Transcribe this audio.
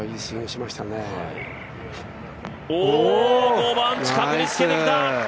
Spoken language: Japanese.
５番、近くにつけてきた。